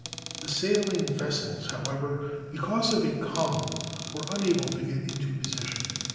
The sailing vessels, however, because of a calm, were imable to get into position.